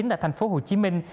tại thành phố hồ chí minh